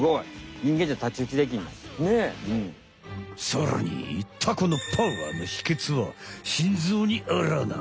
さらにタコのパワーのひけつは心臓にあらな。